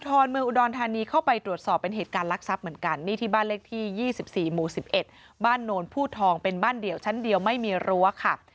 ก็เลยก่อเหตุแบบนี้นะคะ